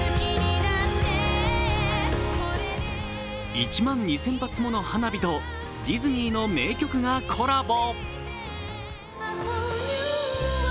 １万２０００発もの花火とディズニーの名曲がコラボ。